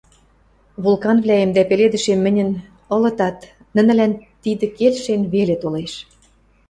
Вулканвлӓэм дӓ пеледӹшем мӹньӹн ылытат, нӹнӹлӓн тидӹ келшен веле толеш.